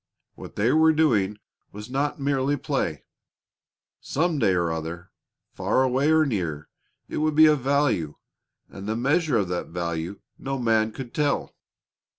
What they were doing was not merely play. Some day or other, far away or near, it would be of value; and the measure of that value no man could tell.